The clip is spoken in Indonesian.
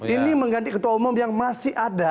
ini mengganti ketua umum yang masih ada